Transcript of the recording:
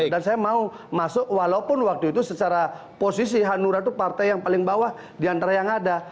dan saya mau masuk walaupun waktu itu secara posisi hanura itu partai yang paling bawah diantara yang ada